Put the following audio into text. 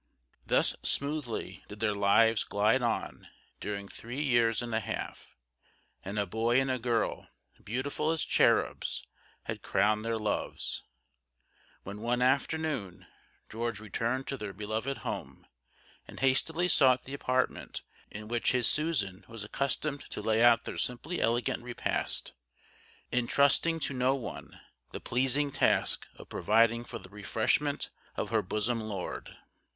Thus smoothly did their lives glide on during three years and a half, and a boy and girl, beautiful as cherubs, had crowned their loves; when one afternoon George returned to their beloved home, and hastily sought the apartment in which his Susan was accustomed to lay out their simply elegant repast, intrusting to no one the pleasing task of providing for the refreshment of her bosom lord.